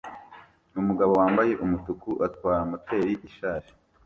Umugabo wambaye umutuku atwara moteri ishaje